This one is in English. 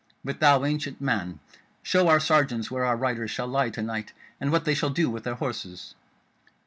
But thou, ancient man, show our sergeants where our riders shall lie to night, and what they shall do with their horses."